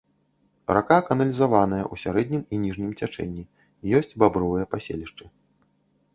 Рака каналізаваная ў сярэднім і ніжнім цячэнні, ёсць бабровыя паселішчы.